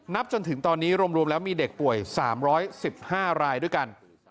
จนถึงตอนนี้รวมแล้วมีเด็กป่วย๓๑๕รายด้วยกัน